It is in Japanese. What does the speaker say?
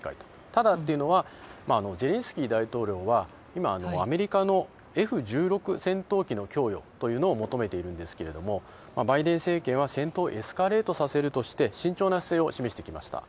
ただというのはゼレンスキー大統領は今、アメリカのＦ１６戦闘機の供与を求めているんですけれどもバイデン政権は戦闘をエスカレートさせるとして慎重な姿勢を示してきました。